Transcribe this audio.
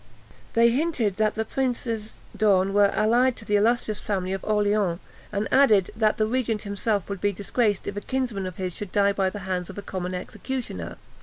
They hinted that the Princes d'Horn were allied to the illustrious family of Orleans; and added, that the regent himself would be disgraced if a kinsman of his should die by the hands of a common executioner.